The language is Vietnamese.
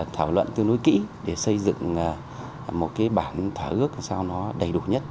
thảo luận tương đối kỹ để xây dựng một bản thỏa ước đầy đủ nhất